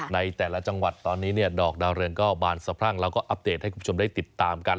ในแต่ละจังหวัดตอนนี้เนี่ยดอกดาวเรืองก็บานสะพรั่งแล้วก็อัปเดตให้คุณผู้ชมได้ติดตามกัน